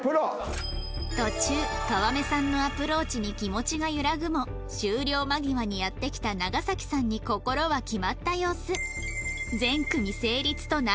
途中川目さんのアプローチに気持ちが揺らぐも終了間際にやって来た長さんに心は決まった様子